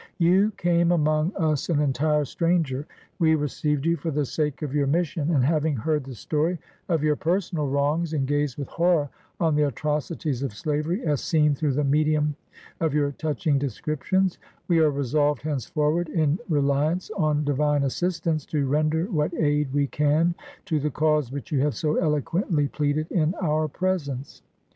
You came among us an entire stranger ; we received you for the sake of your mission ; and having heard the story of your per sonal wrongs, and gazed with horror on the atrocities of slavery, as seen through the medium of your touch ing descriptions, we are resolved henceforward, in reli ance on divine assistance, to render what aid we can to the cause which you have so eloquently pleaded in our presence.